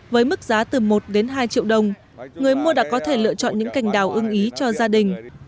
với mức giá từ một đến hai triệu đồng người mua đã có thể lựa chọn những cành đào ưng ý cho gia đình